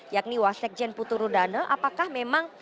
yakni wasek jen puturudana apakah memang